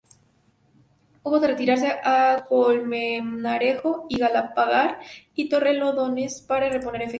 Hubo de retirarse a Colmenarejo, Galapagar y Torrelodones para reponer efectivos.